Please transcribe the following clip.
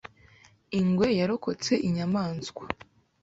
Ingwe yarokotse inyamaswa.